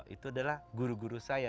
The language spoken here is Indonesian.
itu adalah guru guru saya